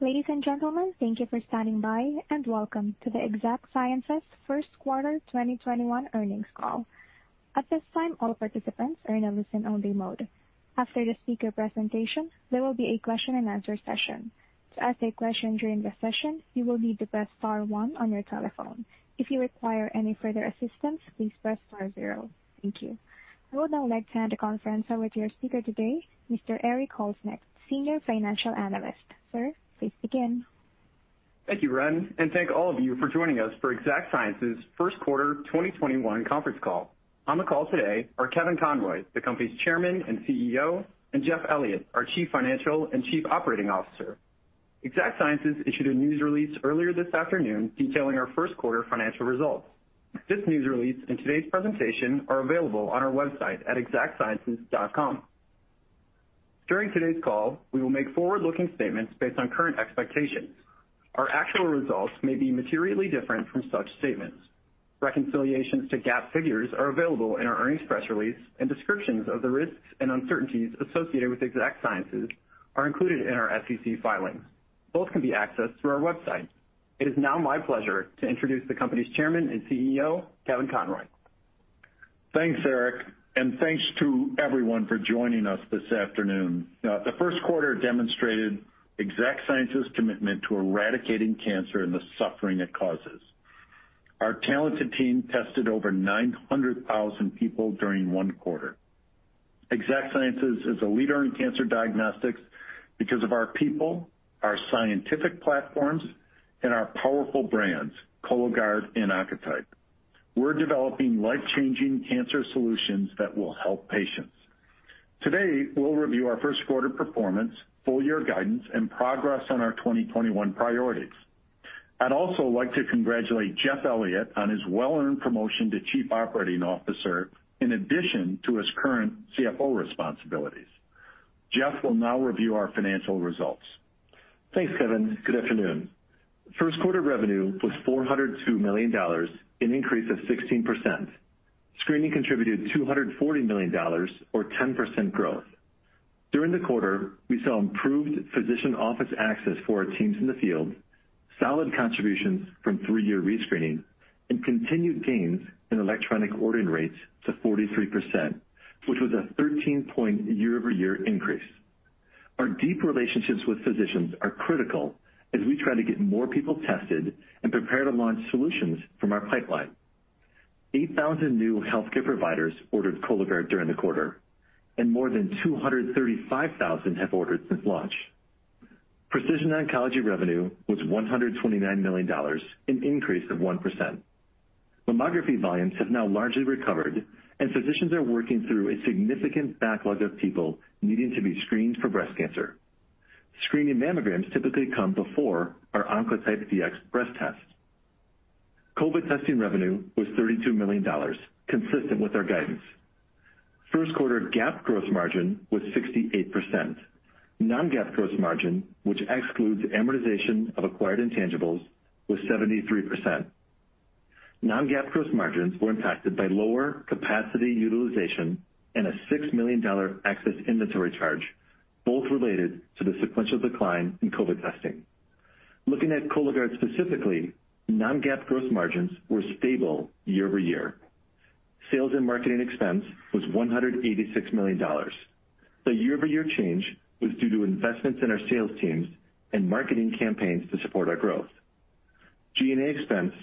Ladies and gentlemen, thank you for standing by, and welcome to the Exact Sciences first quarter 2021 earnings call. At this time all participants are in listen-only mode. After the speakers' presentation there will be a question-and-answer session. To ask a question during the session you will need to press star one on your telephone. If you require any further assistance please press star zero. I would now like to hand the conference over to your speaker today, Mr. Eric Holtzman, Senior Financial Analyst. Sir, please begin. Thank you, Ren. Thank all of you for joining us for Exact Sciences' first quarter 2021 conference call. On the call today are Kevin Conroy, the company's Chairman and CEO, and Jeff Elliott, our Chief Financial and Chief Operating Officer. Exact Sciences issued a news release earlier this afternoon detailing our first quarter financial results. This news release and today's presentation are available on our website at exactsciences.com. During today's call, we will make forward-looking statements based on current expectations. Our actual results may be materially different from such statements. Reconciliations to GAAP figures are available in our earnings press release, and descriptions of the risks and uncertainties associated with Exact Sciences are included in our SEC filings. Both can be accessed through our website. It is now my pleasure to introduce the company's Chairman and CEO, Kevin Conroy. Thanks, Eric, and thanks to everyone for joining us this afternoon. The first quarter demonstrated Exact Sciences' commitment to eradicating cancer and the suffering it causes. Our talented team tested over 900,000 people during one quarter. Exact Sciences is a leader in cancer diagnostics because of our people, our scientific platforms, and our powerful brands, Cologuard and Oncotype. We're developing life-changing cancer solutions that will help patients. Today, we'll review our first quarter performance, full-year guidance, and progress on our 2021 priorities. I'd also like to congratulate Jeff Elliott on his well-earned promotion to Chief Operating Officer, in addition to his current CFO responsibilities. Jeff will now review our financial results. Thanks, Kevin. Good afternoon. First quarter revenue was $402 million, an increase of 16%. Screening contributed $240 million, or 10% growth. During the quarter, we saw improved physician office access for our teams in the field, solid contributions from three-year rescreening, and continued gains in electronic ordering rates to 43%, which was a 13-point year-over-year increase. Our deep relationships with physicians are critical as we try to get more people tested and prepare to launch solutions from our pipeline. 8,000 new healthcare providers ordered Cologuard during the quarter, and more than 235,000 have ordered since launch. Precision oncology revenue was $129 million, an increase of 1%. Mammography volumes have now largely recovered, and physicians are working through a significant backlog of people needing to be screened for breast cancer. Screening mammograms typically come before our Oncotype DX breast test. COVID testing revenue was $32 million, consistent with our guidance. First quarter GAAP gross margin was 68%. Non-GAAP gross margin, which excludes amortization of acquired intangibles, was 73%. Non-GAAP gross margins were impacted by lower capacity utilization and a $6 million excess inventory charge, both related to the sequential decline in COVID testing. Looking at Cologuard specifically, non-GAAP gross margins were stable year-over-year. Sales and marketing expense was $186 million. The year-over-year change was due to investments in our sales teams and marketing campaigns to support our growth. G&A expense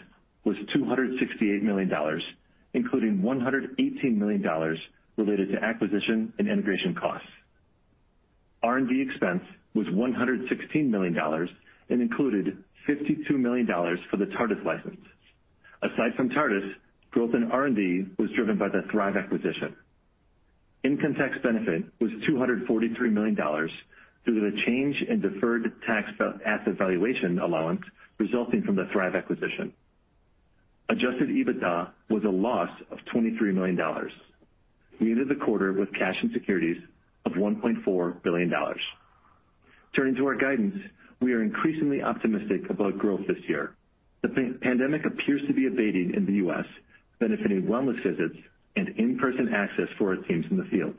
was $268 million, including $118 million related to acquisition and integration costs. R&D expense was $116 million and included $52 million for the TARDIS license. Aside from TARDIS, growth in R&D was driven by the Thrive acquisition. Income tax benefit was $243 million due to the change in deferred tax asset valuation allowance resulting from the Thrive acquisition. Adjusted EBITDA was a loss of $23 million. We ended the quarter with cash and securities of $1.4 billion. Turning to our guidance, we are increasingly optimistic about growth this year. The pandemic appears to be abating in the U.S., benefiting wellness visits and in-person access for our teams in the field.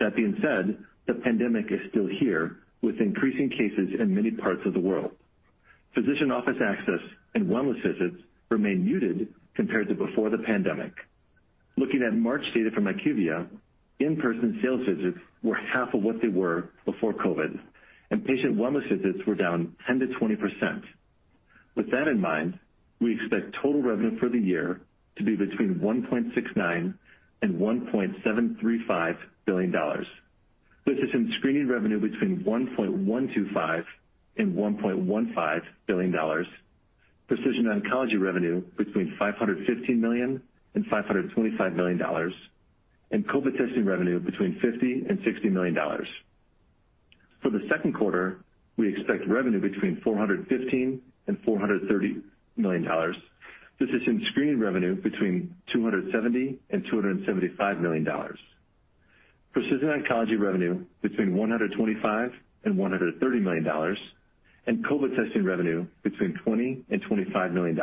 That being said, the pandemic is still here, with increasing cases in many parts of the world. Physician office access and wellness visits remain muted compared to before the pandemic. Looking at March data from IQVIA, in-person sales visits were half of what they were before COVID, and patient wellness visits were down 10% to 20%. With that in mind, we expect total revenue for the year to be between $1.69 billion and $1.735 billion. Physician screening revenue between $1.125 billion and $1.15 billion. Precision oncology revenue between $515 million and $525 million, COVID testing revenue between $50 million and $60 million. For the second quarter, we expect revenue between $415 million and $430 million. Physician screening revenue between $270 million and $275 million. Precision oncology revenue between $125 million and $130 million, and COVID testing revenue between $20 million and $25 million.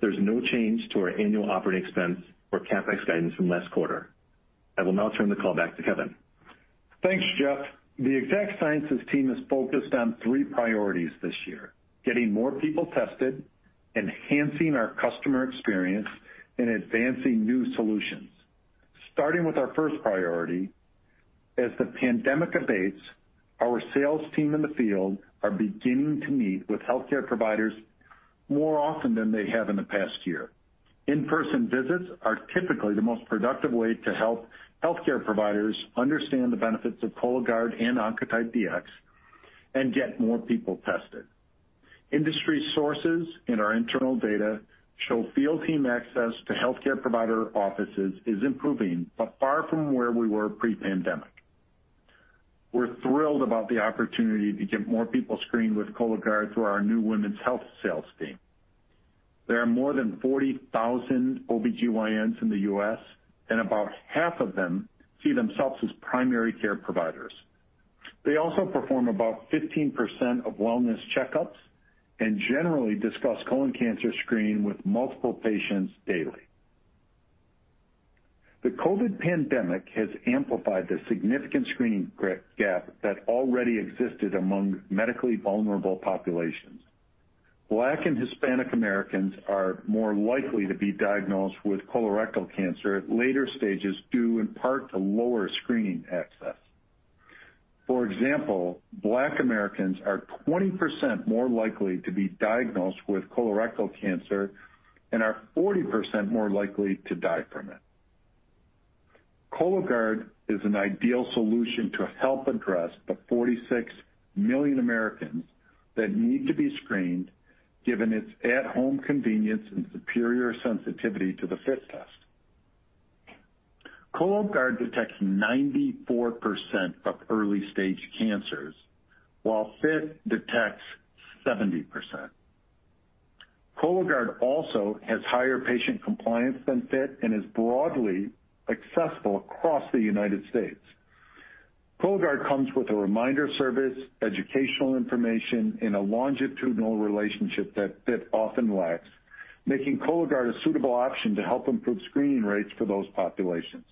There's no change to our annual operating expense or CapEx guidance from last quarter. I will now turn the call back to Kevin. Thanks, Jeff. The Exact Sciences team is focused on three priorities this year: getting more people tested, enhancing our customer experience, and advancing new solutions. Starting with our first priority, as the pandemic abates, our sales team in the field are beginning to meet with healthcare providers more often than they have in the past year. In-person visits are typically the most productive way to help healthcare providers understand the benefits of Cologuard and Oncotype DX and get more people tested. Industry sources and our internal data show field team access to healthcare provider offices is improving, but far from where we were pre-pandemic. We're thrilled about the opportunity to get more people screened with Cologuard through our new women's health sales team. There are more than 40,000 OBGYNs in the U.S., and about half of them see themselves as primary care providers. They also perform about 15% of wellness checkups and generally discuss colon cancer screening with multiple patients daily. The COVID pandemic has amplified the significant screening gap that already existed among medically vulnerable populations. Black and Hispanic Americans are more likely to be diagnosed with colorectal cancer at later stages, due in part to lower screening access. For example, Black Americans are 20% more likely to be diagnosed with colorectal cancer and are 40% more likely to die from it. Cologuard is an ideal solution to help address the 46 million Americans that need to be screened, given its at-home convenience and superior sensitivity to the FIT test. Cologuard detects 94% of early-stage cancers, while FIT detects 70%. Cologuard also has higher patient compliance than FIT and is broadly accessible across the United States. Cologuard comes with a reminder service, educational information, and a longitudinal relationship that FIT often lacks, making Cologuard a suitable option to help improve screening rates for those populations.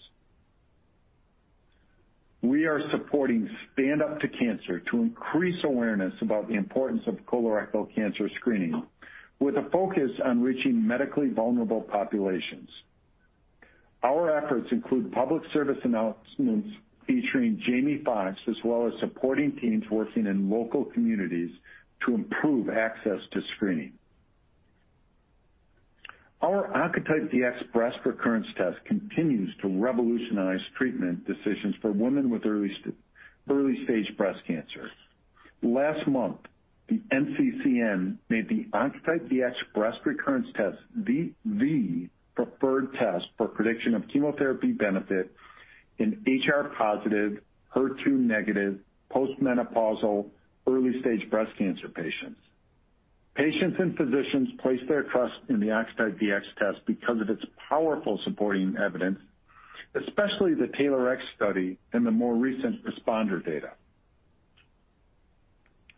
We are supporting Stand Up To Cancer to increase awareness about the importance of colorectal cancer screening, with a focus on reaching medically vulnerable populations. Our efforts include public service announcements featuring Jamie Foxx, as well as supporting teams working in local communities to improve access to screening. Our Oncotype DX breast recurrence test continues to revolutionize treatment decisions for women with early-stage breast cancer. Last month, the NCCN made the Oncotype DX breast recurrence test the preferred test for prediction of chemotherapy benefit in HR-positive, HER2-negative, post-menopausal early-stage breast cancer patients. Patients and physicians place their trust in the Oncotype DX test because of its powerful supporting evidence, especially the TAILORx study and the more recent RxPONDER data.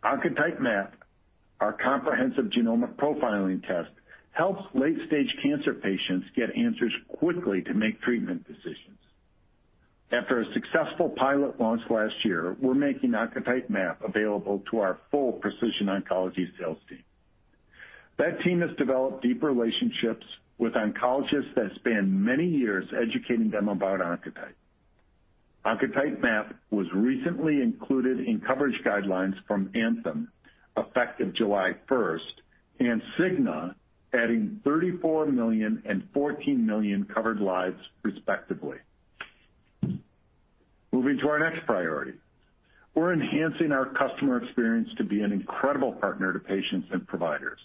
Oncotype MAP, our comprehensive genomic profiling test, helps late-stage cancer patients get answers quickly to make treatment decisions. After a successful pilot launch last year, we're making Oncotype MAP available to our full precision oncology sales team. That team has developed deep relationships with oncologists that span many years educating them about Oncotype. Oncotype MAP was recently included in coverage guidelines from Anthem, effective July 1st, and Cigna, adding 34 million and 14 million covered lives respectively. Moving to our next priority. We're enhancing our customer experience to be an incredible partner to patients and providers.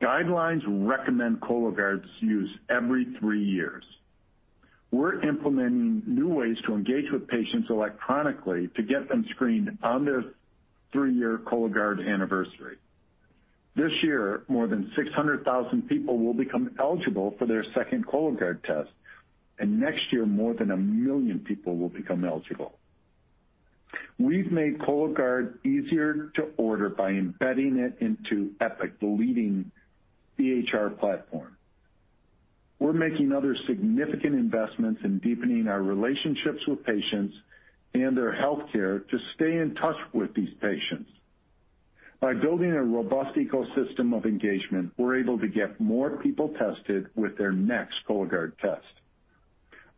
Guidelines recommend Cologuard's use every three years. We're implementing new ways to engage with patients electronically to get them screened on their three-year Cologuard anniversary. This year, more than 600,000 people will become eligible for their second Cologuard test, and next year, more than a million people will become eligible. We've made Cologuard easier to order by embedding it into Epic, the leading EHR platform. We're making other significant investments in deepening our relationships with patients and their healthcare to stay in touch with these patients. By building a robust ecosystem of engagement, we're able to get more people tested with their next Cologuard test.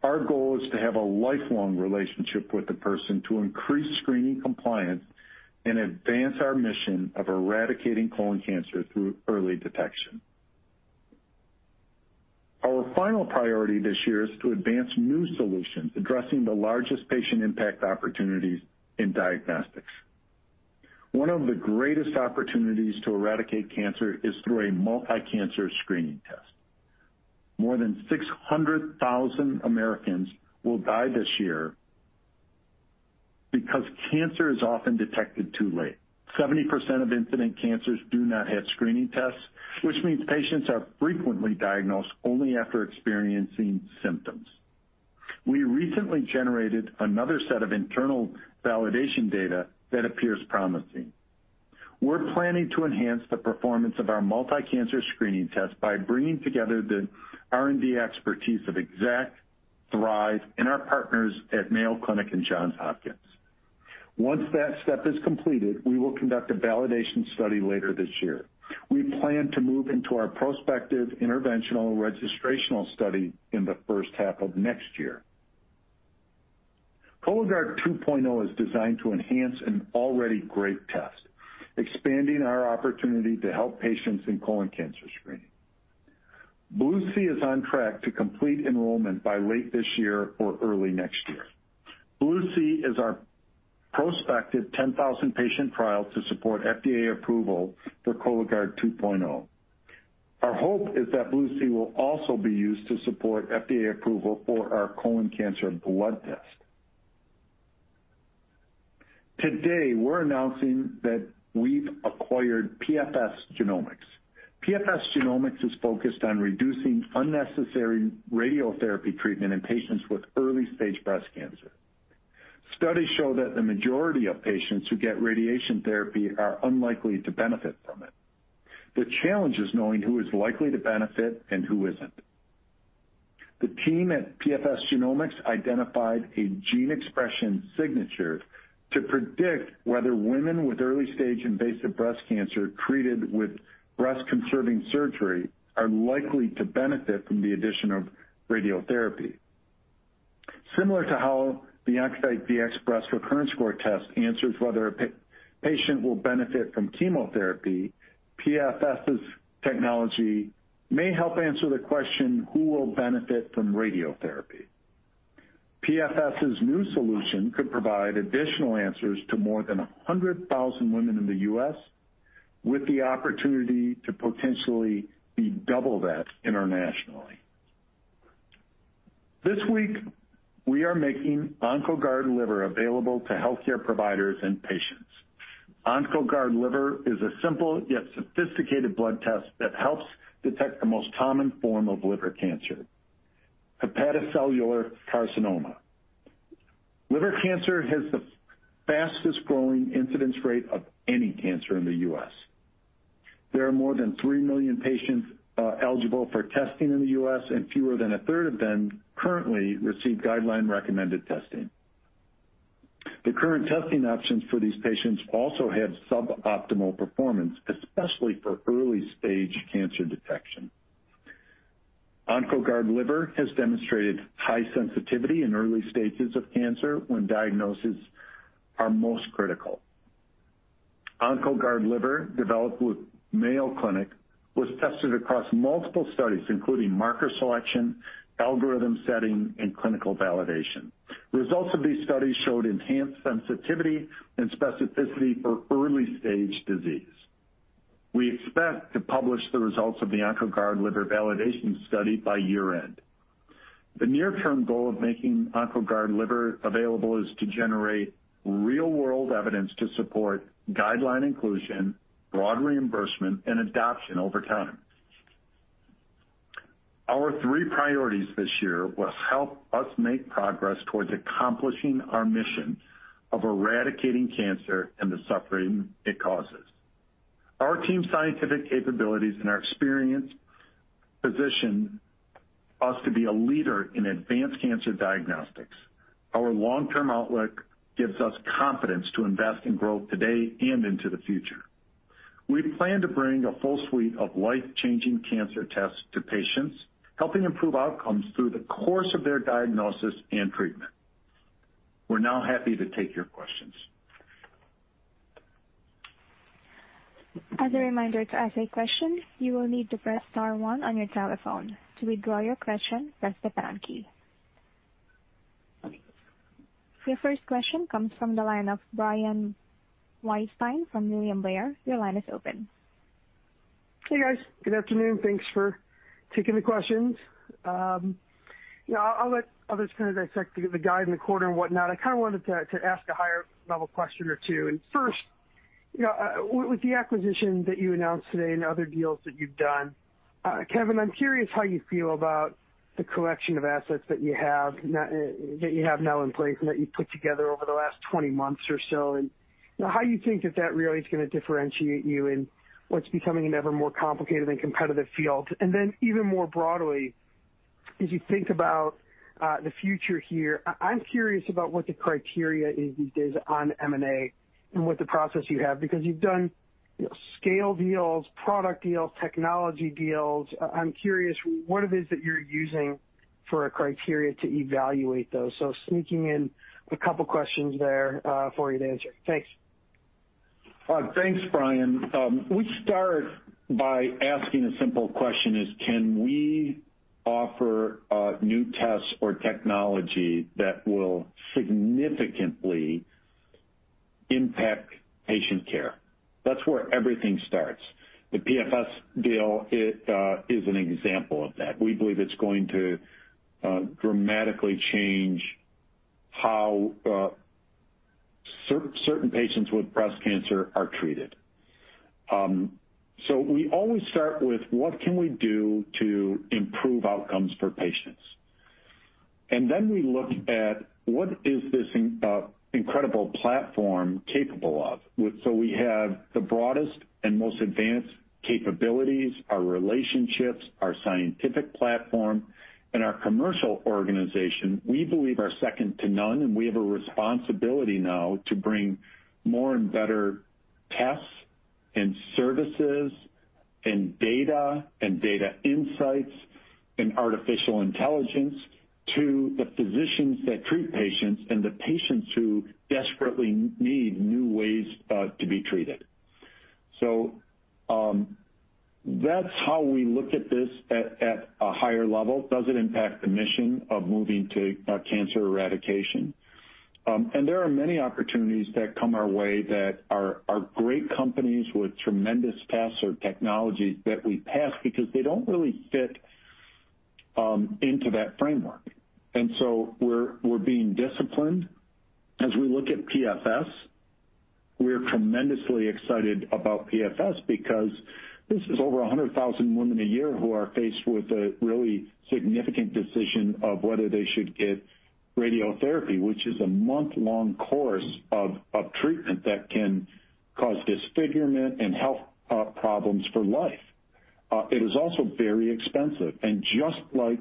Our goal is to have a lifelong relationship with the person to increase screening compliance and advance our mission of eradicating colon cancer through early detection. Our final priority this year is to advance new solutions addressing the largest patient impact opportunities in diagnostics. One of the greatest opportunities to eradicate cancer is through a multi-cancer screening test. More than 600,000 Americans will die this year because cancer is often detected too late. 70% of incident cancers do not have screening tests, which means patients are frequently diagnosed only after experiencing symptoms. We recently generated another set of internal validation data that appears promising. We're planning to enhance the performance of our multi-cancer screening test by bringing together the R&D expertise of Exact, Thrive, and our partners at Mayo Clinic and Johns Hopkins. Once that step is completed, we will conduct a validation study later this year. We plan to move into our prospective interventional registrational study in the first half of next year. Cologuard 2.0 is designed to enhance an already great test, expanding our opportunity to help patients in colon cancer screening. BLUE-C is on track to complete enrollment by late this year or early next year. BLUE-C is our prospective 10,000-patient trial to support FDA approval for Cologuard 2.0. Our hope is that BLUE-C will also be used to support FDA approval for our colon cancer blood test. Today, we're announcing that we've acquired PFS Genomics. PFS Genomics is focused on reducing unnecessary radiotherapy treatment in patients with early-stage breast cancer. Studies show that the majority of patients who get radiation therapy are unlikely to benefit from it. The challenge is knowing who is likely to benefit and who isn't. The team at PFS Genomics identified a gene expression signature to predict whether women with early-stage invasive breast cancer treated with breast-conserving surgery are likely to benefit from the addition of radiotherapy. Similar to how the Oncotype DX Breast Recurrence Score test answers whether a patient will benefit from chemotherapy, PFS's technology may help answer the question, who will benefit from radiotherapy? PFS's new solution could provide additional answers to more than 100,000 women in the U.S., with the opportunity to potentially be double that internationally. This week, we are making Oncoguard Liver available to healthcare providers and patients. Oncoguard Liver is a simple yet sophisticated blood test that helps detect the most common form of liver cancer, hepatocellular carcinoma. Liver cancer has the fastest-growing incidence rate of any cancer in the U.S. There are more than 3 million patients eligible for testing in the U.S., and fewer than a third of them currently receive guideline-recommended testing. The current testing options for these patients also have suboptimal performance, especially for early-stage cancer detection. Oncoguard Liver has demonstrated high sensitivity in early stages of cancer when diagnoses are most critical. Oncoguard Liver, developed with Mayo Clinic, was tested across multiple studies, including marker selection, algorithm setting, and clinical validation. Results of these studies showed enhanced sensitivity and specificity for early-stage disease. We expect to publish the results of the Oncoguard Liver validation study by year-end. The near-term goal of making Oncoguard Liver available is to generate real-world evidence to support guideline inclusion, broad reimbursement, and adoption over time. Our three priorities this year will help us make progress towards accomplishing our mission of eradicating cancer and the suffering it causes. Our team's scientific capabilities and our experience position us to be a leader in advanced cancer diagnostics. Our long-term outlook gives us confidence to invest in growth today and into the future. We plan to bring a full suite of life-changing cancer tests to patients, helping improve outcomes through the course of their diagnosis and treatment. We're now happy to take your questions. As a reminder, to ask a question, you will need to press star one on your telephone. To withdraw your question, press the pound key. Your first question comes from the line of Brian Weinstein from William Blair. Your line is open. Hey, guys. Good afternoon. Thanks for taking the questions. I'll let others kind of dissect the guide and the quarter and whatnot. I kind of wanted to ask a higher level question or two. First, with the acquisition that you announced today and other deals that you've done, Kevin, I'm curious how you feel about the collection of assets that you have now in place and that you've put together over the last 20 months or so, and how you think that that really is going to differentiate you in what's becoming an ever more complicated and competitive field. Then even more broadly, as you think about the future here, I'm curious about what the criteria is these days on M&A and what the process you have, because you've done scale deals, product deals, technology deals. I'm curious what it is that you're using for a criteria to evaluate those. Sneaking in a couple questions there for you to answer. Thanks. Thanks, Brian. We start by asking a simple question is, can we offer new tests or technology that will significantly impact patient care? That's where everything starts. The PFS deal is an example of that. We believe it's going to dramatically change how certain patients with breast cancer are treated. We always start with what can we do to improve outcomes for patients? We look at what is this incredible platform capable of? We have the broadest and most advanced capabilities. Our relationships, our scientific platform, and our commercial organization, we believe, are second to none, and we have a responsibility now to bring more and better tests, and services, and data, and data insights, and artificial intelligence to the physicians that treat patients and the patients who desperately need new ways to be treated. That's how we look at this at a higher level. Does it impact the mission of moving to cancer eradication? There are many opportunities that come our way that are great companies with tremendous tests or technologies that we pass because they don't really fit into that framework. We're being disciplined as we look at PFS. We're tremendously excited about PFS because this is over 100,000 women a year who are faced with a really significant decision of whether they should get radiotherapy, which is a month-long course of treatment that can cause disfigurement and health problems for life. It is also very expensive, and just like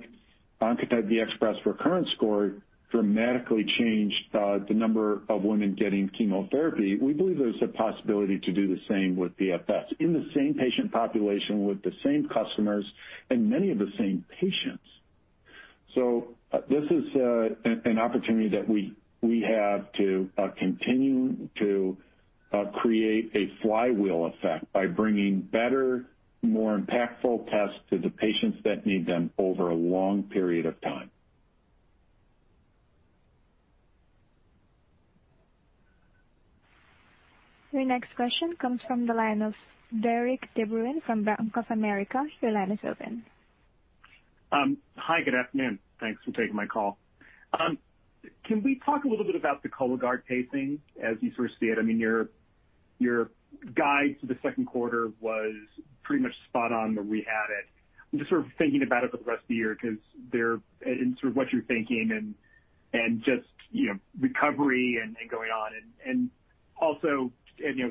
Oncotype DX Breast Recurrence Score dramatically changed the number of women getting chemotherapy, we believe there's a possibility to do the same with PFS in the same patient population, with the same customers and many of the same patients. This is an opportunity that we have to continue to create a flywheel effect by bringing better, more impactful tests to the patients that need them over a long period of time. Your next question comes from the line of Derik DeBruin from Bank of America. Your line is open. Hi, good afternoon. Thanks for taking my call. Can we talk a little bit about the Cologuard pacing as you sort of see it? Your guide to the second quarter was pretty much spot on where we had it. I'm just sort of thinking about it for the rest of the year and sort of what you're thinking and just recovery and going on. Also,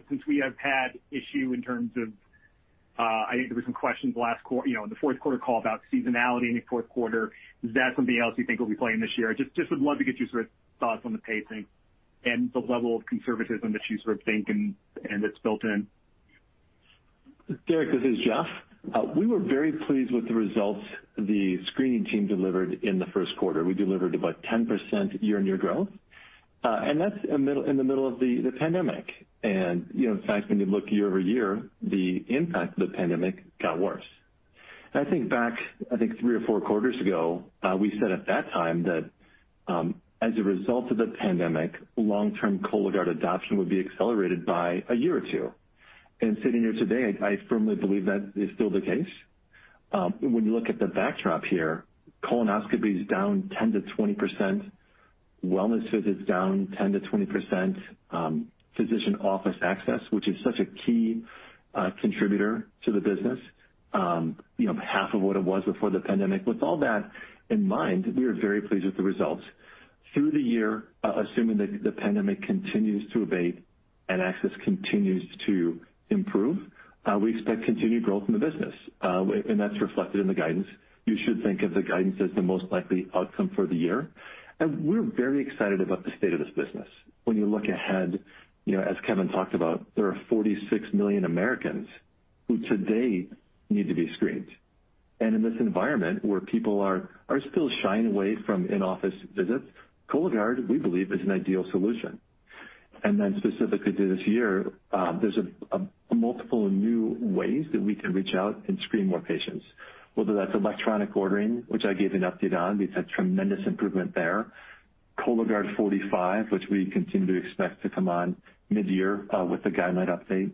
since we have had issue in terms of, I think there were some questions in the fourth quarter call about seasonality in the fourth quarter. Is that something else you think will be playing this year? I just would love to get your thoughts on the pacing and the level of conservatism that you sort of think and that's built in. Derik, this is Jeff. We were very pleased with the results the screening team delivered in the first quarter. We delivered about 10% year-on-year growth. That's in the middle of the pandemic. In fact, when you look year-over-year, the impact of the pandemic got worse. I think back, I think three or four quarters ago, we said at that time that, as a result of the pandemic, long-term Cologuard adoption would be accelerated by a year or two. Sitting here today, I firmly believe that is still the case. When you look at the backdrop here, colonoscopy is down 10%-20%, wellness visits down 10%-20%, physician office access, which is such a key contributor to the business, half of what it was before the pandemic. With all that in mind, we are very pleased with the results. Through the year, assuming that the pandemic continues to abate and access continues to improve, we expect continued growth in the business. That's reflected in the guidance. We're very excited about the state of this business. When you look ahead, as Kevin talked about, there are 46 million Americans who today need to be screened. In this environment where people are still shying away from in-office visits, Cologuard, we believe, is an ideal solution. Specifically to this year, there's multiple new ways that we can reach out and screen more patients, whether that's electronic ordering, which I gave an update on. We've had tremendous improvement there. Cologuard 45, which we continue to expect to come on mid-year with the guideline update,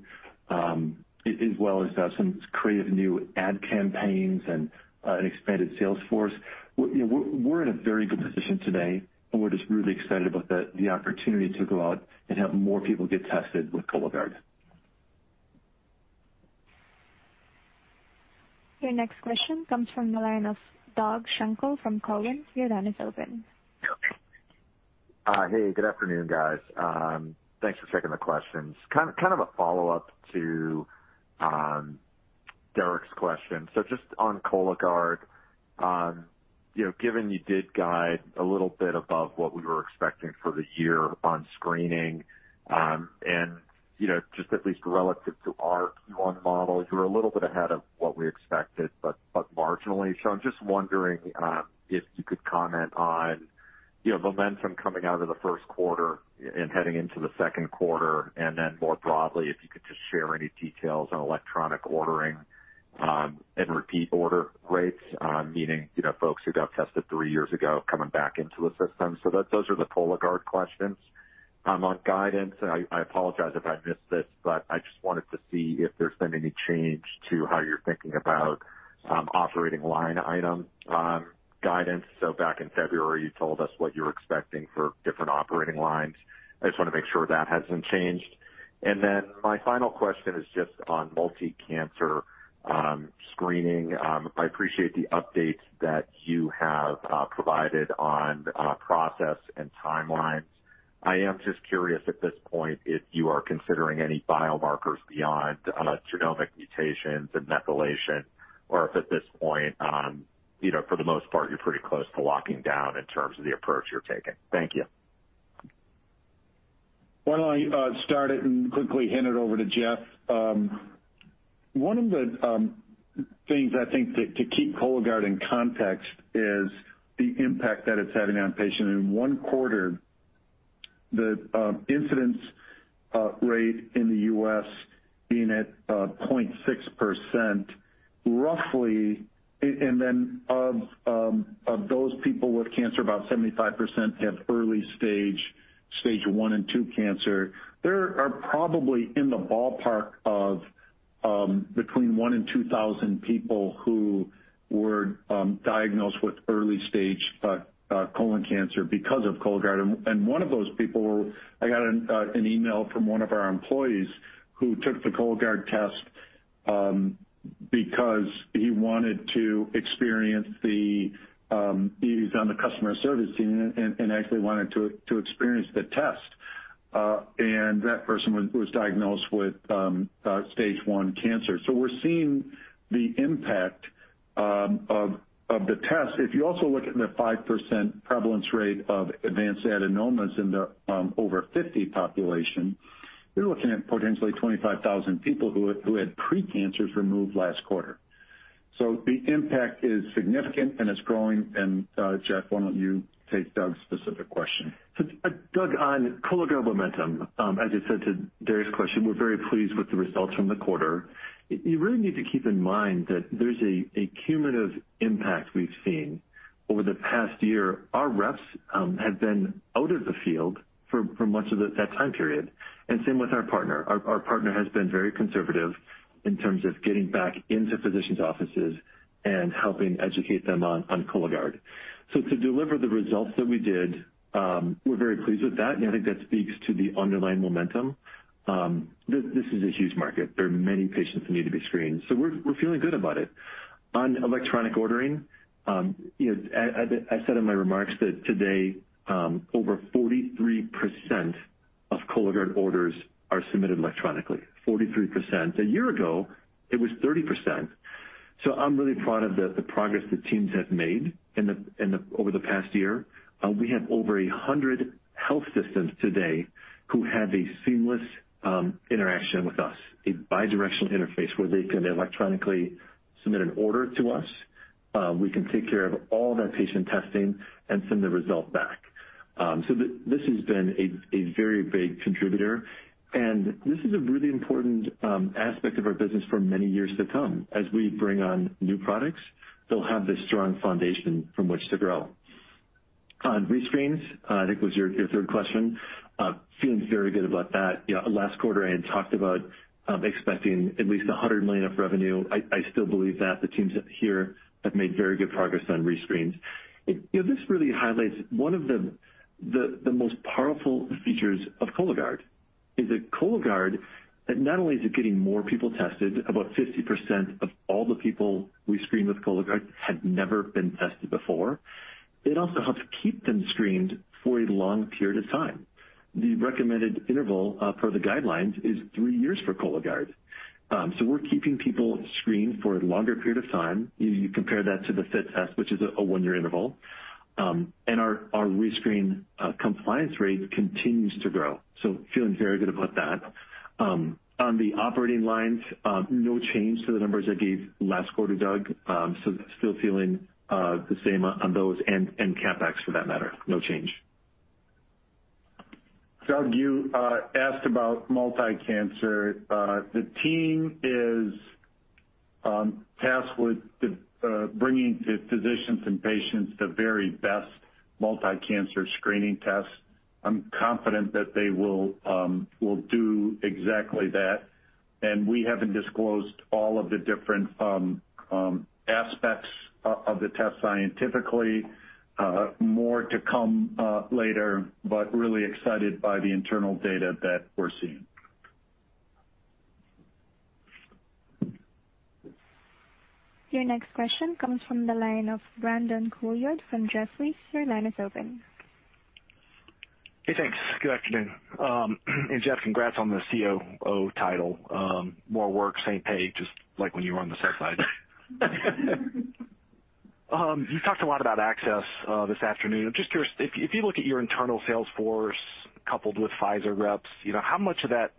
as well as some creative new ad campaigns and an expanded sales force. We're in a very good position today, we're just really excited about the opportunity to go out and help more people get tested with Cologuard. Your next question comes from the line of Doug Schenkel from Cowen. Your line is open. Hey, good afternoon, guys. Thanks for taking the questions. Kind of a follow-up to Derik's question. Just on Cologuard, given you did guide a little bit above what we were expecting for the year on screening, and just at least relative to our Q1 model, you're a little bit ahead of what we expected, but marginally. I'm just wondering if you could comment on momentum coming out of the first quarter and heading into the second quarter, and then more broadly, if you could just share any details on electronic ordering and repeat order rates, meaning folks who got tested three years ago coming back into the system. Those are the Cologuard questions. On guidance, I apologize if I missed this, but I just wanted to see if there's been any change to how you're thinking about operating line item guidance. Back in February, you told us what you were expecting for different operating lines. I just want to make sure that hasn't changed. My final question is just on multi-cancer screening. I appreciate the updates that you have provided on process and timelines. I am just curious at this point if you are considering any biomarkers beyond genomic mutations and methylation, or if at this point for the most part, you're pretty close to locking down in terms of the approach you're taking. Thank you. Why don't I start it and quickly hand it over to Jeff. One of the things I think that to keep Cologuard in context is the impact that it's having on patients. In one quarter, the incidence rate in the U.S. being at 0.6%, roughly, and then of those people with cancer, about 75% have early Stage 1 and 2 cancer. There are probably in the ballpark of between 1,000 and 2,000 people who were diagnosed with early stage colon cancer because of Cologuard. One of those people, I got an email from one of our employees who took the Cologuard test because he's on the customer service team and actually wanted to experience the test. That person was diagnosed with Stage 1 cancer. We're seeing the impact of the test. If you also look at the 5% prevalence rate of advanced adenomas in the over 50 population, you're looking at potentially 25,000 people who had pre-cancers removed last quarter. The impact is significant and it's growing. Jeff, why don't you take Doug's specific question? Doug, on Cologuard momentum, as I said to Derik's' question, we're very pleased with the results from the quarter. You really need to keep in mind that there's a cumulative impact we've seen over the past year. Our reps have been out of the field for much of that time period, and same with our partner. Our partner has been very conservative in terms of getting back into physicians' offices and helping educate them on Cologuard. To deliver the results that we did, we're very pleased with that, and I think that speaks to the underlying momentum. This is a huge market. There are many patients who need to be screened. We're feeling good about it. On electronic ordering, as I said in my remarks that today over 43% of Cologuard orders are submitted electronically, 43%. A year ago, it was 30%. I'm really proud of the progress the teams have made over the past year. We have over 100 health systems today who have a seamless interaction with us, a bi-directional interface where they can electronically submit an order to us. We can take care of all that patient testing and send the result back. This has been a very big contributor, and this is a really important aspect of our business for many years to come. As we bring on new products, they'll have this strong foundation from which to grow. On rescreens, I think was your third question. Feeling very good about that. Last quarter, I had talked about expecting at least $100 million of revenue. I still believe that. The teams here have made very good progress on rescreens. This really highlights one of the most powerful features of Cologuard, is that Cologuard, not only is it getting more people tested, about 50% of all the people we screen with Cologuard had never been tested before. It also helps keep them screened for a long period of time. The recommended interval per the guidelines is three years for Cologuard. We're keeping people screened for a longer period of time. You compare that to the FIT test, which is a one-year interval. Our rescreen compliance rate continues to grow. Feeling very good about that. On the operating lines, no change to the numbers I gave last quarter, Doug. Still feeling the same on those, and CapEx for that matter, no change. Doug, you asked about multi-cancer. The team is tasked with bringing to physicians and patients the very best multi-cancer screening tests. I'm confident that they will do exactly that. We haven't disclosed all of the different aspects of the test scientifically. More to come later, but really excited by the internal data that we're seeing. Your next question comes from the line of Brandon Couillard from Jefferies. Your line is open. Hey, thanks. Good afternoon. Jeff Elliott, congrats on the COO title. More work, same pay, just like when you were on the sell side. You talked a lot about access this afternoon. I'm just curious, if you look at your internal sales force coupled with Pfizer reps, how much of that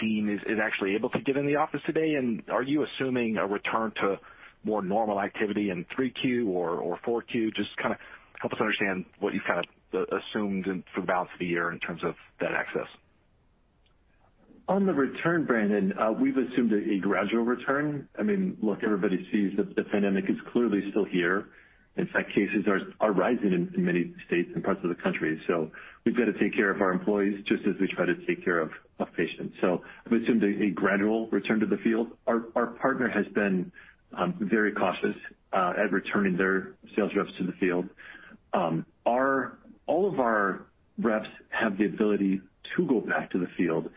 team is actually able to get in the office today? Are you assuming a return to more normal activity in 3Q or 4Q? Just help us understand what you've assumed for the balance of the year in terms of that access. On the return, Brandon, we've assumed a gradual return. Look, everybody sees that the pandemic is clearly still here. In fact, cases are rising in many states and parts of the country. We've got to take care of our employees just as we try to take care of patients. We've assumed a gradual return to the field. Our partner has been very cautious at returning their sales reps to the field. All of our reps have the ability to go back to the field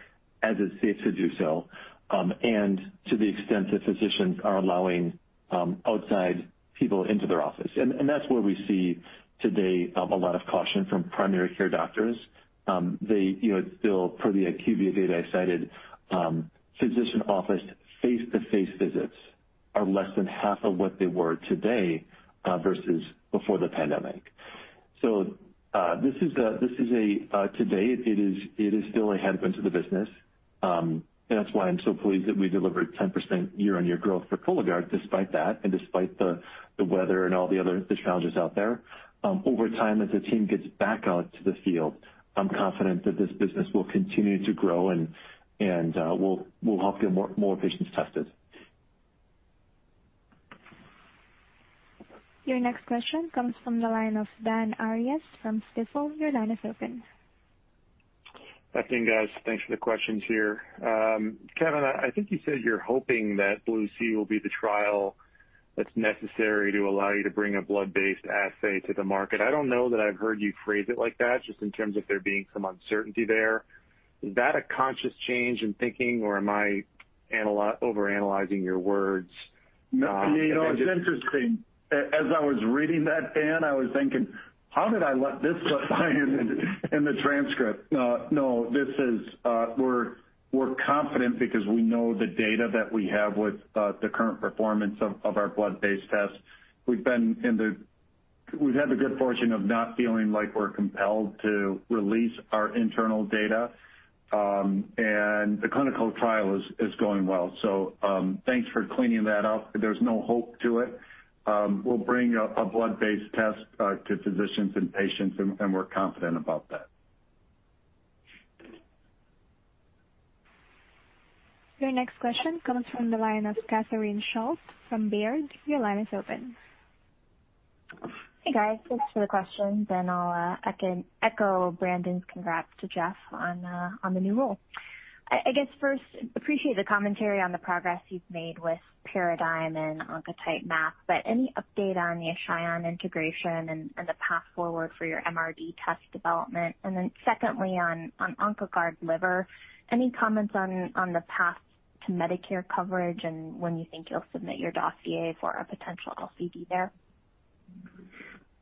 as it's safe to do so, and to the extent that physicians are allowing outside people into their office. That's where we see today, a lot of caution from primary care doctors. Still per the IQVIA data I cited, physician office face-to-face visits are less than half of what they were today versus before the pandemic. Today, it is still a headwind to the business. That's why I'm so pleased that we delivered 10% year-over-year growth for Cologuard despite that, and despite the weather and all the other challenges out there. Over time, as the team gets back out to the field, I'm confident that this business will continue to grow and will help get more patients tested. Your next question comes from the line of Dan Arias from Stifel. Your line is open. Good morning, guys. Thanks for the questions here. Kevin, I think you said you're hoping that BLUE-C will be the trial that's necessary to allow you to bring a blood-based assay to the market. I don't know that I've heard you phrase it like that, just in terms of there being some uncertainty there. Is that a conscious change in thinking, or am I overanalyzing your words? It's interesting. As I was reading that, Dan, I was thinking, How did I let this slip by in the transcript? No, we're confident because we know the data that we have with the current performance of our blood-based tests. We've had the good fortune of not feeling like we're compelled to release our internal data. The clinical trial is going well. Thanks for cleaning that up. There's no hope to it. We'll bring a blood-based test to physicians and patients, and we're confident about that. Your next question comes from the line of Catherine Schulte from Baird. Your line is open. Hey, guys. Thanks for the questions, and I'll echo Brandon's congrats to Jeff on the new role. I guess first, appreciate the commentary on the progress you've made with Paradigm and Oncotype MAP, but any update on the Ashion integration and the path forward for your MRD test development? Secondly, on Oncoguard Liver, any comments on the path to Medicare coverage and when you think you'll submit your dossier for a potential LCD there?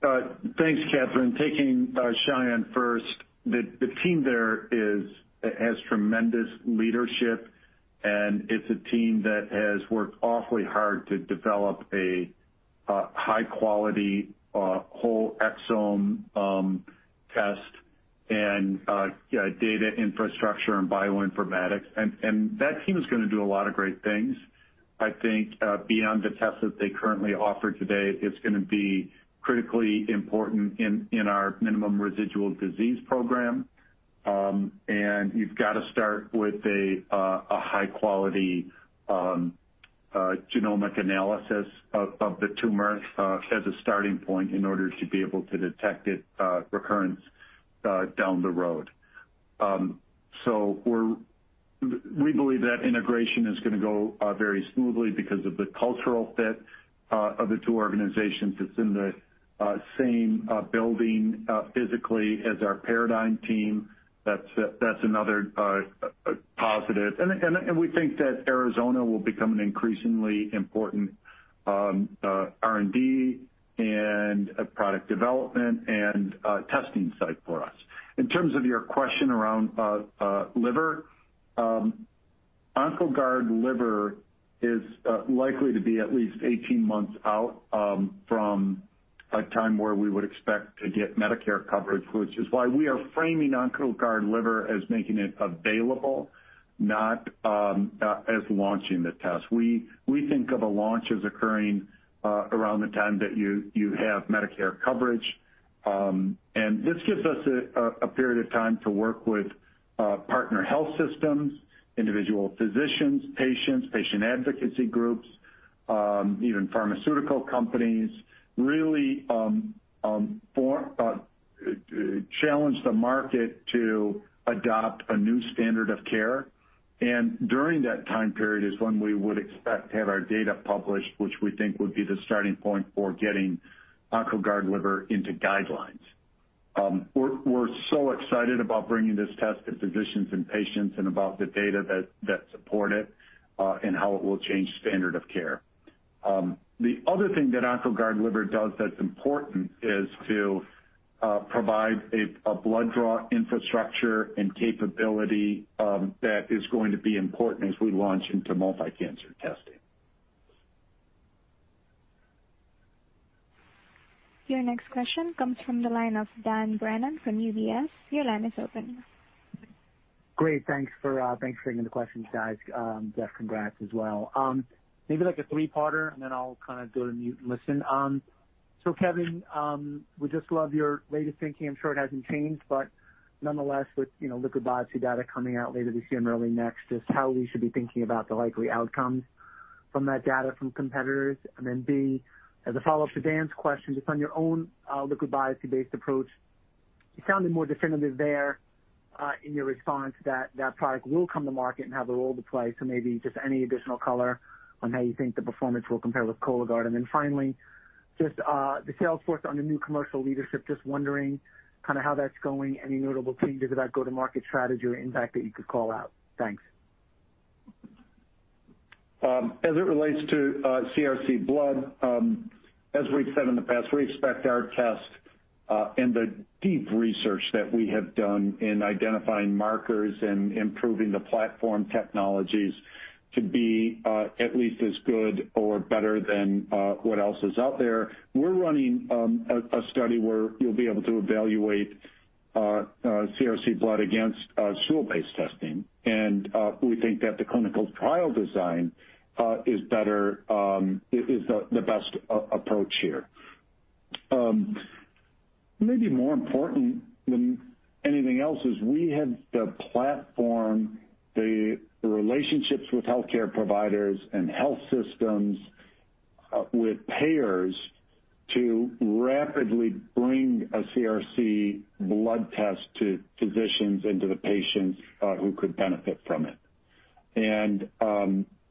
Thanks, Catherine. Taking Ashion first, the team there has tremendous leadership, and it's a team that has worked awfully hard to develop a high-quality whole exome test and data infrastructure in bioinformatics. That team is going to do a lot of great things. I think beyond the test that they currently offer today, it's going to be critically important in our minimal residual disease program. You've got to start with a high-quality genomic analysis of the tumor as a starting point in order to be able to detect its recurrence down the road. We believe that integration is going to go very smoothly because of the cultural fit of the two organizations. It's in the same building physically as our Paradigm team. That's another positive. We think that Arizona will become an increasingly important R&D and a product development and testing site for us. In terms of your question around liver, Oncoguard Liver is likely to be at least 18 months out from a time where we would expect to get Medicare coverage, which is why we are framing Oncoguard Liver as making it available, not as launching the test. We think of a launch as occurring around the time that you have Medicare coverage. This gives us a period of time to work with partner health systems, individual physicians, patients, patient advocacy groups, even pharmaceutical companies, really challenge the market to adopt a new standard of care. During that time period is when we would expect to have our data published, which we think would be the starting point for getting Oncoguard Liver into guidelines. We're so excited about bringing this test to physicians and patients and about the data that support it, and how it will change standard of care. The other thing that Oncoguard Liver does that's important is to provide a blood draw infrastructure and capability that is going to be important as we launch into multi-cancer testing. Your next question comes from the line of Dan Brennan from UBS. Your line is open. Great, thanks for taking the questions, guys. Jeff Elliott, congrats as well. Maybe a three-parter, and then I'll go to mute and listen. Kevin Conroy, we just love your latest thinking. I'm sure it hasn't changed, but nonetheless, with liquid biopsy data coming out later this year and early next, just how we should be thinking about the likely outcomes from that data from competitors. B, as a follow-up to Dan's question, just on your own liquid biopsy-based approach, you sounded more definitive there in your response that that product will come to market and have a role to play. Maybe just any additional color on how you think the performance will compare with Cologuard. Finally, just the sales force under new commercial leadership. Just wondering how that's going, any notable changes to that go-to-market strategy or impact that you could call out? Thanks. As it relates to CRC blood, as we've said in the past, we expect our test and the deep research that we have done in identifying markers and improving the platform technologies to be at least as good or better than what else is out there. We're running a study where you'll be able to evaluate CRC blood against stool-based testing. We think that the clinical trial design is the best approach here. Maybe more important than anything else is we have the platform, the relationships with healthcare providers and health systems, with payers to rapidly bring a CRC blood test to physicians and to the patients who could benefit from it.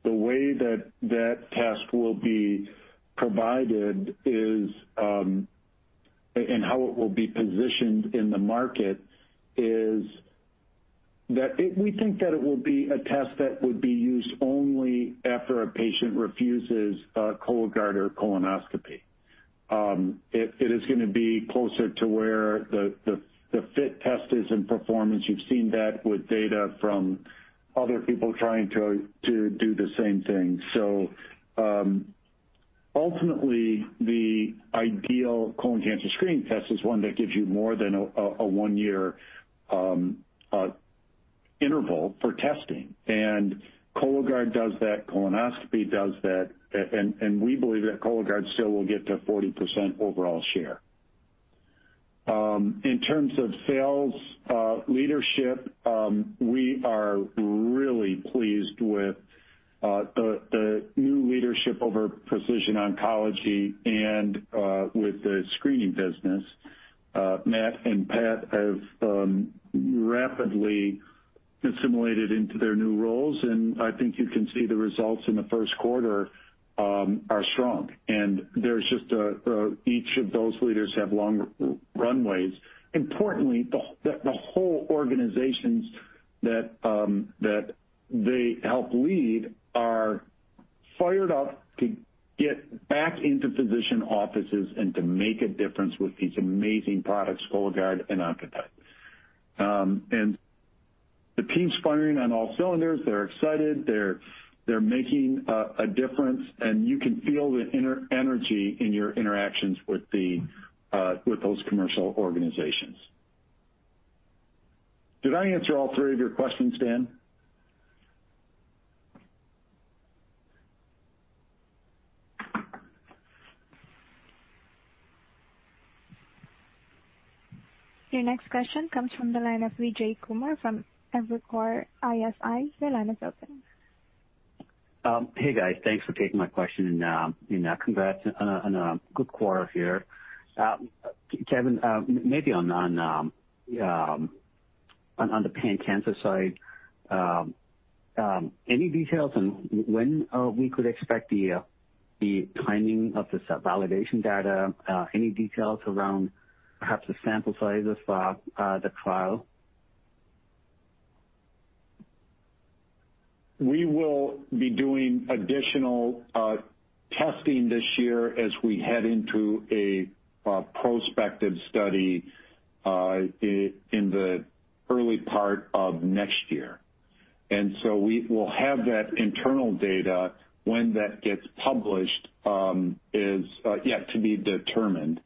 The way that that test will be provided and how it will be positioned in the market is that we think that it will be a test that would be used only after a patient refuses Cologuard or colonoscopy. It is going to be closer to where the FIT test is in performance. You've seen that with data from other people trying to do the same thing. Ultimately, the ideal colon cancer screening test is one that gives you more than a one-year interval for testing, and Cologuard does that, colonoscopy does that, and we believe that Cologuard still will get to 40% overall share. In terms of sales leadership, we are really pleased with the new leadership over precision oncology and with the screening business. Matt and Pat have rapidly assimilated into their new roles, and I think you can see the results in the first quarter are strong. Each of those leaders have long runways. Importantly, the whole organizations that they help lead are fired up to get back into physician offices and to make a difference with these amazing products, Cologuard and Oncotype. The team's firing on all cylinders. They're excited. They're making a difference, and you can feel the energy in your interactions with those commercial organizations. Did I answer all three of your questions, Dan? Your next question comes from the line of Vijay Kumar from Evercore ISI. Your line is open. Hey, guys. Thanks for taking my question, and congrats on a good quarter here. Kevin, maybe on the pan cancer side, any details on when we could expect the timing of the validation data? Any details around perhaps the sample size of the trial? We will be doing additional testing this year as we head into a prospective study in the early part of next year. We will have that internal data. When that gets published is yet to be determined.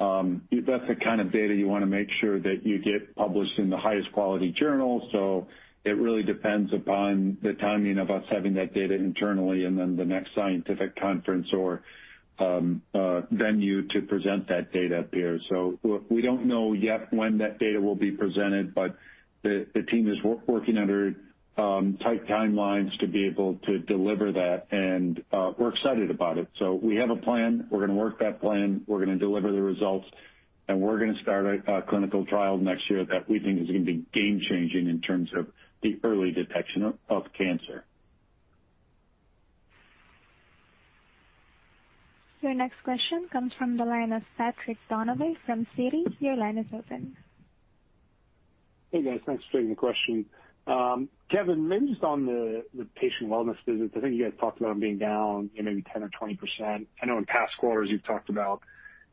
That's the kind of data you want to make sure that you get published in the highest quality journals. It really depends upon the timing of us having that data internally and then the next scientific conference or venue to present that data at there. We don't know yet when that data will be presented, but the team is working under tight timelines to be able to deliver that, and we're excited about it. We have a plan. We're going to work that plan. We're going to deliver the results, and we're going to start a clinical trial next year that we think is going to be game changing in terms of the early detection of cancer. Your next question comes from the line of Patrick Donnelly from Citi. Your line is open. Hey, guys. Thanks for taking the question. Kevin, maybe just on the patient wellness visits, I think you guys talked about them being down maybe 10% or 20%. I know in past quarters you've talked about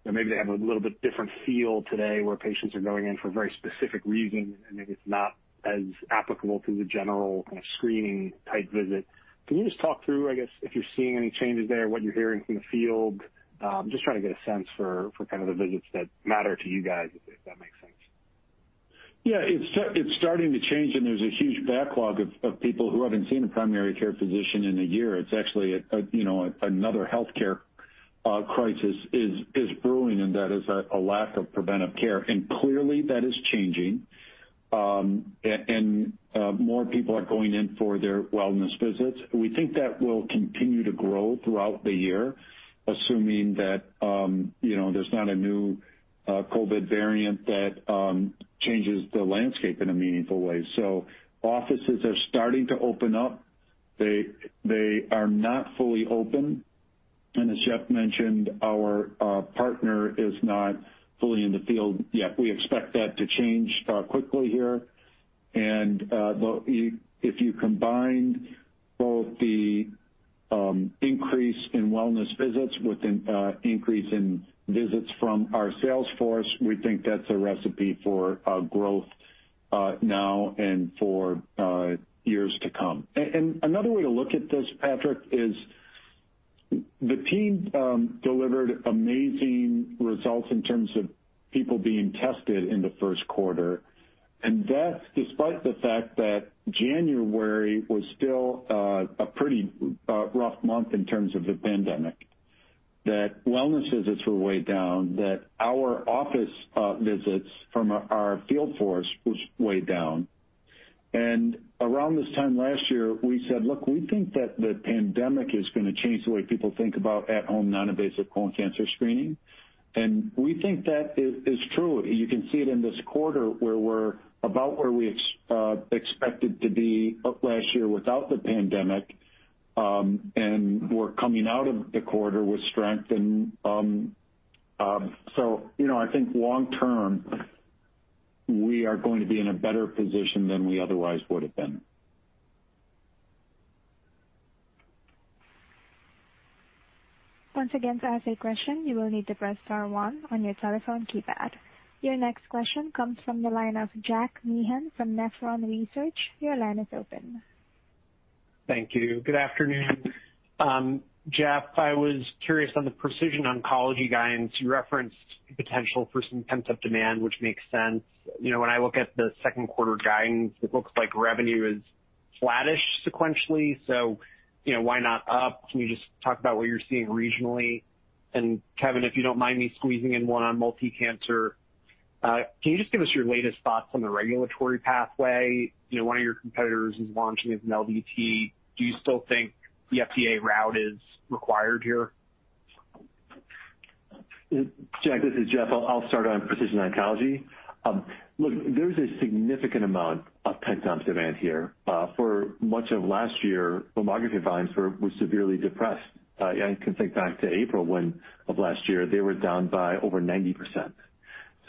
maybe they have a little bit different feel today where patients are going in for very specific reasons, and maybe it's not as applicable to the general kind of screening type visit. Can you just talk through, I guess, if you're seeing any changes there, what you're hearing from the field? Just trying to get a sense for kind of the visits that matter to you guys, if that makes sense. Yeah, it's starting to change, and there's a huge backlog of people who haven't seen a primary care physician in one year. It's actually another healthcare crisis is brewing, and that is a lack of preventive care. Clearly that is changing. More people are going in for their wellness visits. We think that will continue to grow throughout the year, assuming that there's not a new COVID variant that changes the landscape in a meaningful way. Offices are starting to open up. They are not fully open, and as Jeff mentioned, our partner is not fully in the field yet. We expect that to change quickly here. If you combined both the increase in wellness visits with an increase in visits from our sales force, we think that's a recipe for growth now and for years to come. Another way to look at this, Patrick, is the team delivered amazing results in terms of people being tested in the first quarter. That's despite the fact that January was still a pretty rough month in terms of the pandemic, that wellness visits were way down, that our office visits from our field force was way down. Around this time last year, we said, Look, we think that the pandemic is going to change the way people think about at-home non-invasive colon cancer screening. We think that is true. You can see it in this quarter where we're about where we expected to be last year without the pandemic, and we're coming out of the quarter with strength. I think long term, we are going to be in a better position than we otherwise would have been. Once again, to ask a question, you will need to press star one on your telephone keypad. Your next question comes from the line of Jack Meehan from Nephron Research. Your line is open. Thank you. Good afternoon. Jeff, I was curious on the precision oncology guidance. You referenced the potential for some pent-up demand, which makes sense. When I look at the second quarter guidance, it looks like revenue is flattish sequentially, so why not up? Can you just talk about what you're seeing regionally? Kevin, if you don't mind me squeezing in one on multi-cancer. Can you just give us your latest thoughts on the regulatory pathway? One of your competitors is launching as an LDT. Do you still think the FDA route is required here? Jack, this is Jeff. I'll start on precision oncology. Look, there is a significant amount of pent-up demand here. For much of last year, mammography volumes were severely depressed. You can think back to April of last year, they were down by over 90%.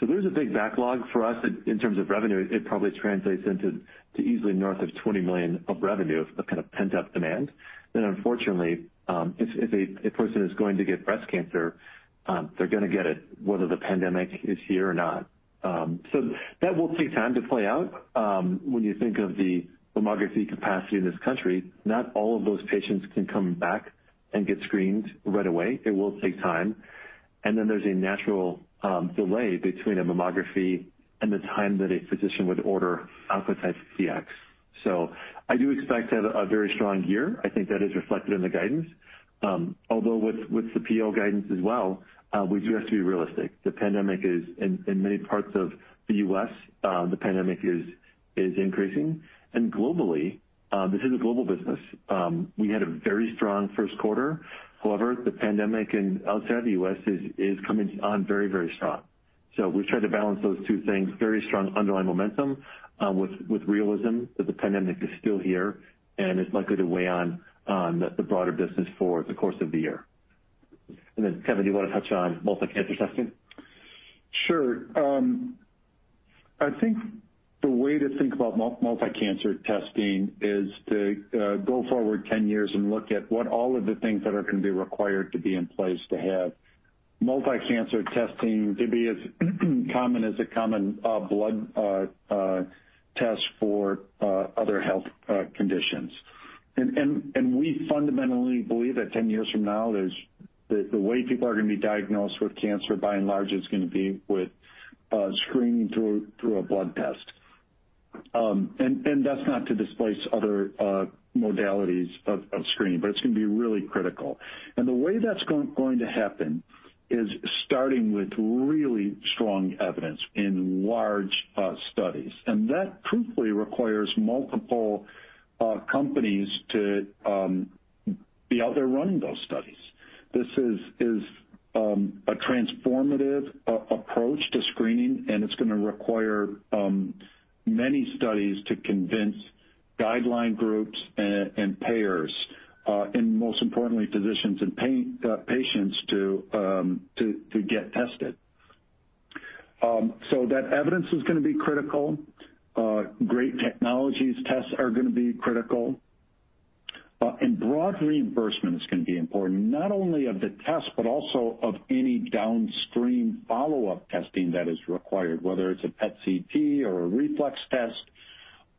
There's a big backlog for us in terms of revenue. It probably translates into easily north of $20 million of revenue of kind of pent-up demand. Unfortunately, if a person is going to get breast cancer, they're going to get it whether the pandemic is here or not. That will take time to play out. When you think of the mammography capacity in this country, not all of those patients can come back and get screened right away. It will take time. There's a natural delay between a mammography and the time that a physician would order Oncotype DX. I do expect to have a very strong year. I think that is reflected in the guidance. Although with the PO guidance as well, we do have to be realistic. In many parts of the U.S., the pandemic is increasing. Globally, this is a global business. We had a very strong first quarter. However, the pandemic outside of the U.S. is coming on very strong. We've tried to balance those two things, very strong underlying momentum, with realism that the pandemic is still here and is likely to weigh on the broader business for the course of the year. Kevin, do you want to touch on multi-cancer testing? Sure. I think the way to think about multi-cancer testing is to go forward 10 years and look at what all of the things that are going to be required to be in place to have multi-cancer testing to be as common as a common blood test for other health conditions. We fundamentally believe that 10 years from now, the way people are going to be diagnosed with cancer, by and large, is going to be with screening through a blood test. That's not to displace other modalities of screening, but it's going to be really critical. The way that's going to happen is starting with really strong evidence in large studies. That truthfully requires multiple companies to be out there running those studies. This is a transformative approach to screening, it's going to require many studies to convince guideline groups and payers, most importantly, physicians and patients to get tested. That evidence is going to be critical. Great technologies tests are going to be critical. Broad reimbursements can be important, not only of the test, but also of any downstream follow-up testing that is required, whether it's a PET-CT or a reflex test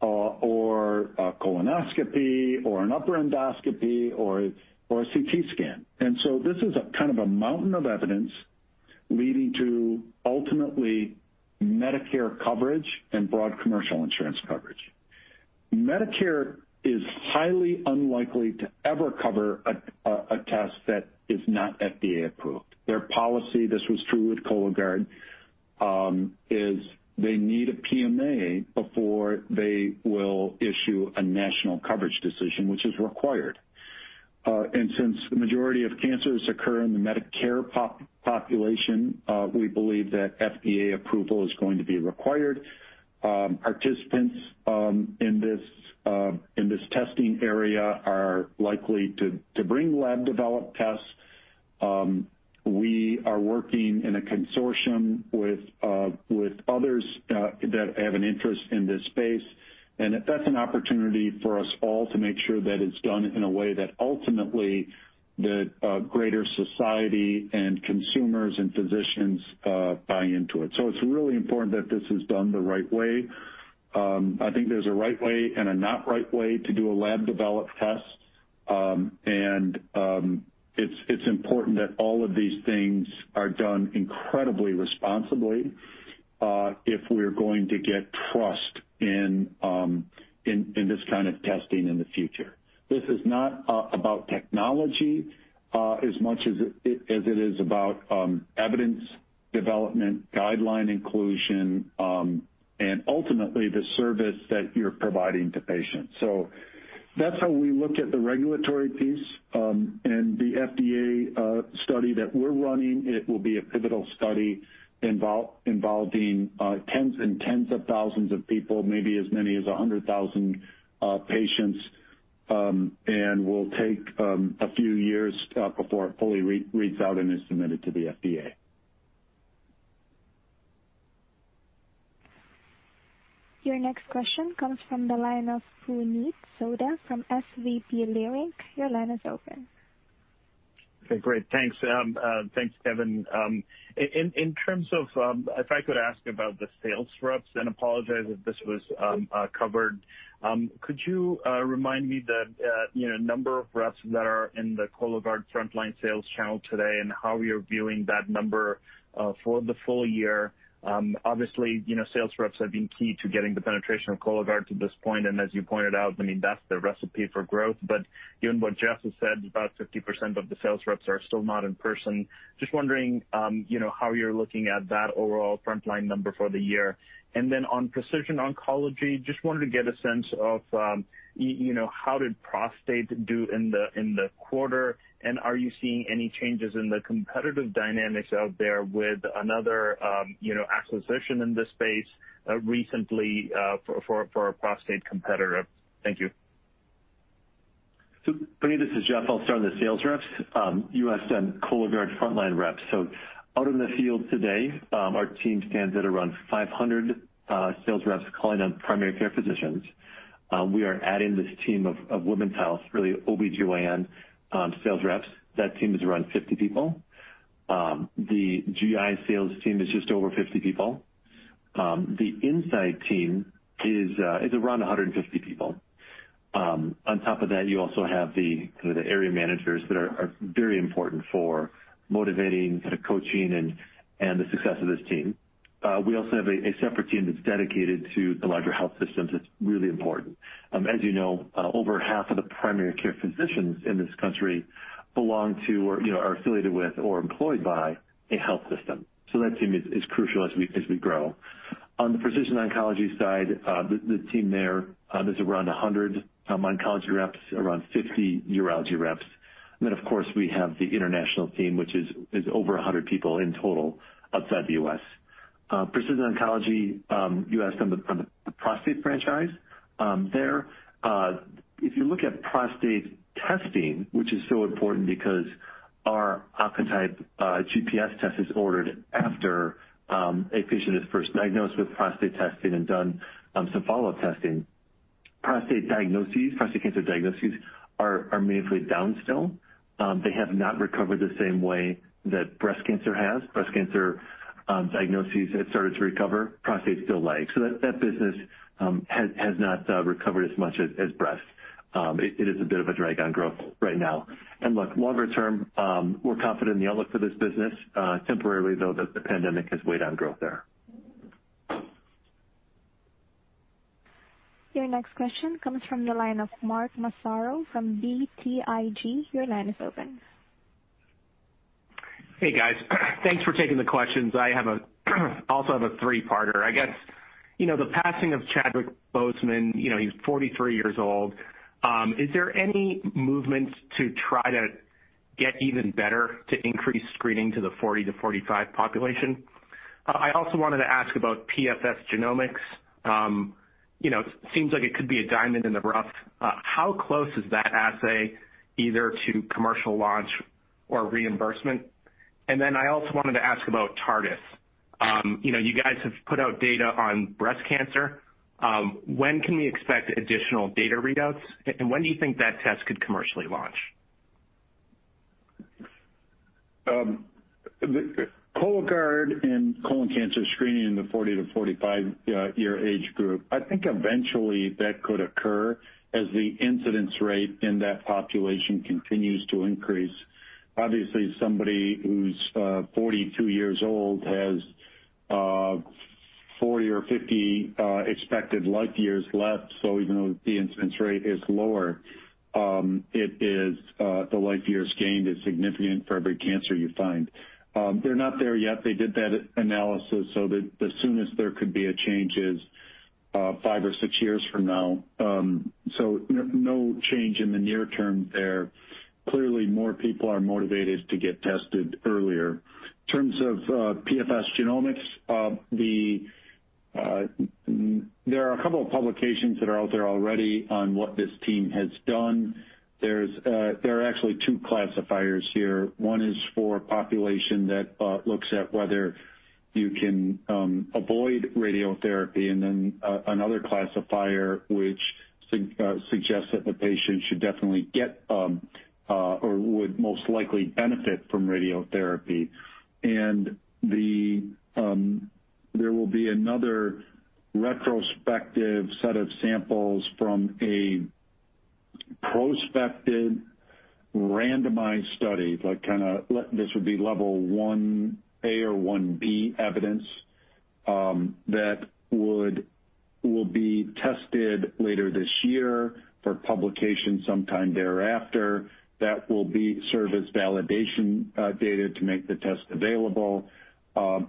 or a colonoscopy, or an upper endoscopy, or a CT scan. This is a mountain of evidence leading to ultimately Medicare coverage and broad commercial insurance coverage. Medicare is highly unlikely to ever cover a test that is not FDA approved. Their policy, this was true with Cologuard, is they need a PMA before they will issue a national coverage decision, which is required. Since the majority of cancers occur in the Medicare population, we believe that FDA approval is going to be required. Participants in this testing area are likely to bring lab-developed tests. We are working in a consortium with others that have an interest in this space, and that's an opportunity for us all to make sure that it's done in a way that ultimately the greater society and consumers and physicians buy into it. So it's really important that this is done the right way. I think there's a right way and a not right way to do a lab-developed test. And it's important that all of these things are done incredibly responsibly if we're going to get trust in this kind of testing in the future. This is not about technology as much as it is about evidence development, guideline inclusion, and ultimately the service that you're providing to patients. That's how we look at the regulatory piece. The FDA study that we're running, it will be a pivotal study involving tens and tens of thousands of people, maybe as many as 100,000 patients, and will take a few years before it fully reads out and is submitted to the FDA. Your next question comes from the line of Puneet Souda from SVB Leerink. Your line is open. Okay, great. Thanks, Kevin. If I could ask about the sales reps, and apologize if this was covered. Could you remind me the number of reps that are in the Cologuard frontline sales channel today, and how you're viewing that number for the full-year? Obviously, sales reps have been key to getting the penetration of Cologuard to this point, and as you pointed out, that's the recipe for growth. Given what Jeff has said, about 50% of the sales reps are still not in person. Just wondering how you're looking at that overall frontline number for the year. On precision oncology, just wanted to get a sense of how did prostate do in the quarter, and are you seeing any changes in the competitive dynamics out there with another acquisition in this space recently for a prostate competitor? Thank you. Puneet, this is Jeff. I'll start on the sales reps. You asked on Cologuard frontline reps. Out in the field today, our team stands at around 500 sales reps calling on primary care physicians. We are adding this team of women's health, really OBGYN sales reps. That team is around 50 people. The GI sales team is just over 50 people. The inside team is around 150 people. On top of that, you also have the area managers that are very important for motivating, coaching, and the success of this team. We also have a separate team that's dedicated to the larger health systems that's really important. As you know, over half of the primary care physicians in this country belong to, or are affiliated with, or employed by a health system. That team is crucial as we grow. On the precision oncology side, the team there's around 100 oncology reps, around 50 urology reps. Of course, we have the international team, which is over 100 people in total outside the U.S. Precision oncology, you asked on the prostate franchise there. If you look at prostate testing, which is so important because our Oncotype GPS test is ordered after a patient is first diagnosed with prostate testing and done some follow-up testing. Prostate cancer diagnoses are meaningfully down still. They have not recovered the same way that breast cancer has. Breast cancer diagnoses have started to recover. Prostate's still lag. That business has not recovered as much as breast. It is a bit of a drag on growth right now. Longer term, we're confident in the outlook for this business. Temporarily, though, the pandemic has weighed on growth there. Your next question comes from the line of Mark Massaro from BTIG. Your line is open. Hey, guys. Thanks for taking the questions. I also have a three-parter. I guess, the passing of Chadwick Boseman, he was 43 years old. Is there any movement to try to get even better to increase screening to the 40-45 population? I also wanted to ask about PFS Genomics. Seems like it could be a diamond in the rough. How close is that assay either to commercial launch or reimbursement? I also wanted to ask about TARDIS. You guys have put out data on breast cancer. When can we expect additional data readouts, and when do you think that test could commercially launch? Cologuard and colon cancer screening in the 40 year-45-year age group, I think eventually that could occur as the incidence rate in that population continues to increase. Somebody who's 42 years old has 40 or 50 expected life years left. Even though the incidence rate is lower, the life years gained is significant for every cancer you find. They're not there yet. They did that analysis so that the soonest there could be a change is five or six years from now. No change in the near term there. Clearly, more people are motivated to get tested earlier. In terms of PFS Genomics, there are a couple of publications that are out there already on what this team has done. There are actually two classifiers here. One is for a population that looks at whether you can avoid radiotherapy and then another classifier which suggests that the patient should definitely get, or would most likely benefit from radiotherapy. There will be another retrospective set of samples from a prospective randomized study. This would be level 1A or 1B evidence, that will be tested later this year for publication sometime thereafter. That will serve as validation data to make the test available.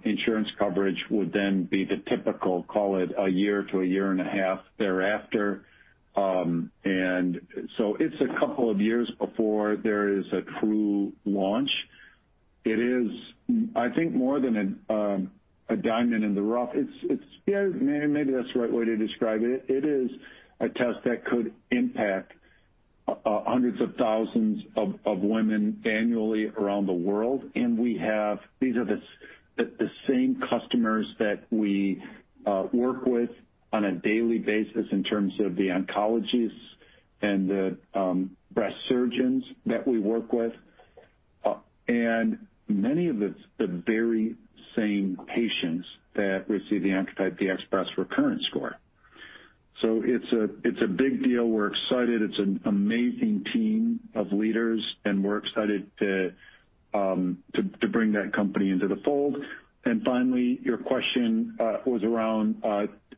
Insurance coverage would then be the typical, call it a year to a year and a half thereafter. So it's a couple of years before there is a true launch. It is, I think, more than a diamond in the rough. Maybe that's the right way to describe it. It is a test that could impact hundreds of thousands of women annually around the world. These are the same customers that we work with on a daily basis in terms of the oncologists and the breast surgeons that we work with. Many of the very same patients that receive the Oncotype DX Breast Recurrence Score. It's a big deal. We're excited. It's an amazing team of leaders, and we're excited to bring that company into the fold. Finally, your question was around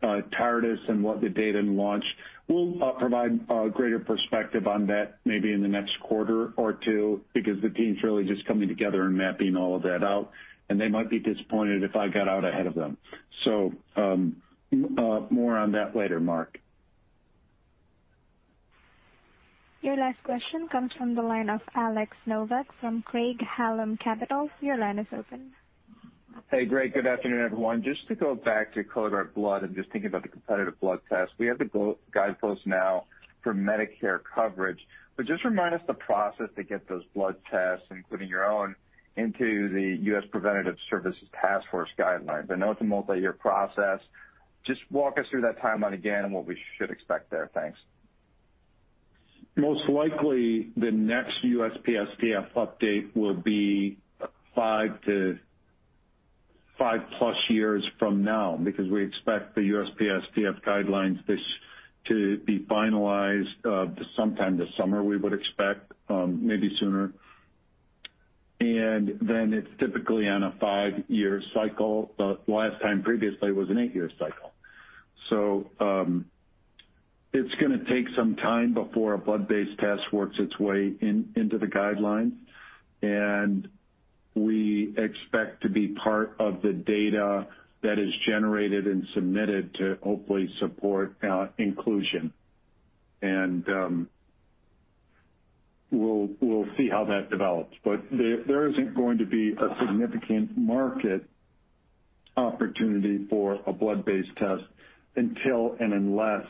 TARDIS and what the date and launch. We'll provide a greater perspective on that maybe in the next quarter or two, because the team's really just coming together and mapping all of that out, and they might be disappointed if I got out ahead of them. More on that later, Mark. Your last question comes from the line of Alex Nowak from Craig-Hallum Capital. Your line is open. Hey, Kev. Good afternoon, everyone. Just to go back to Cologuard blood and just thinking about the competitive blood test. We have the guideposts now for Medicare coverage. Just remind us the process to get those blood tests, including your own, into the U.S. Preventive Services Task Force guideline. I know it's a multi-year process. Just walk us through that timeline again and what we should expect there. Thanks. Most likely, the next USPSTF update will be five-plus years from now because we expect the USPSTF guidelines to be finalized sometime this summer, we would expect, maybe sooner. It's typically on a five-year cycle, but last time previously, it was an eight-year cycle. It's going to take some time before a blood-based test works its way into the guidelines, and we expect to be part of the data that is generated and submitted to hopefully support inclusion. We'll see how that develops. There isn't going to be a significant market opportunity for a blood-based test until and unless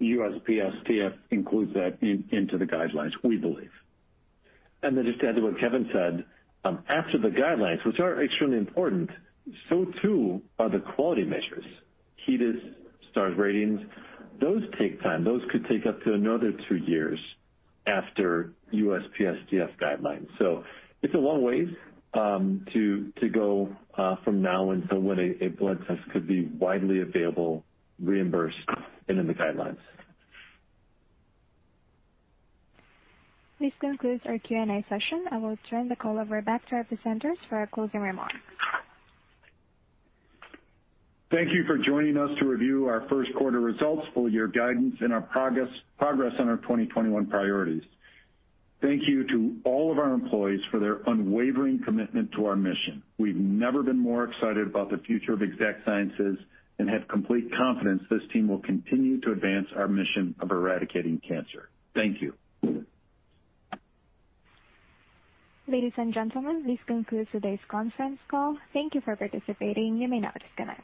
USPSTF includes that into the guidelines, we believe. Just to add to what Kevin Conroy said, after the guidelines, which are extremely important, so too are the quality measures. HEDIS, star ratings, those take time. Those could take up to another two years after USPSTF guidelines. It's a long ways to go from now until when a blood test could be widely available, reimbursed and in the guidelines. This concludes our Q&A session. I will turn the call over back to our presenters for our closing remarks. Thank you for joining us to review our first quarter results, full-year guidance, and our progress on our 2021 priorities. Thank you to all of our employees for their unwavering commitment to our mission. We've never been more excited about the future of Exact Sciences and have complete confidence this team will continue to advance our mission of eradicating cancer. Thank you. Ladies and gentlemen, this concludes today's conference call. Thank you for participating. You may now disconnect.